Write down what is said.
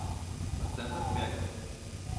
Процентов пять.